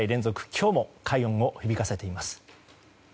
今日も快音を響かせています。